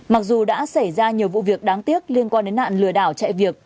mặc dù đã xảy ra nhiều vụ việc đáng tiếc liên quan đến nạn lừa đảo chạy việc